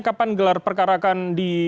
kapan gelar perkarakan